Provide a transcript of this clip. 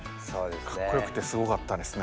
かっこよくてすごかったですね。